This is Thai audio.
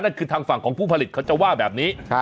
คือทางฝั่งของผู้ผลิตเขาจะว่าแบบนี้